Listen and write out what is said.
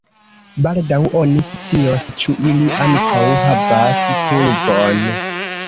Baldaŭ oni scios, ĉu ili ankaŭ havas pulvon.